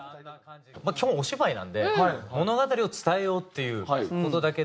基本お芝居なんで物語を伝えようっていう事だけで。